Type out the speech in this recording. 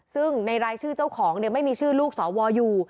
ซึ่งในรายชื่อเจ้าของไม่มีชื่อลูกสวอยู่